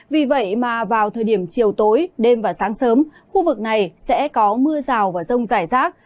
vì vậy mà vào thời điểm chiều tối đêm và sáng sớm khu vực này sẽ có mưa rào và rông rải rác